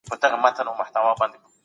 تاسي ولي داسي په منډه سره سواست؟